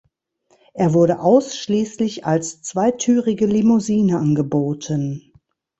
Er wurde ausschließlich als zweitürige Limousine angeboten.